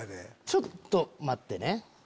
ちょっと待ってね。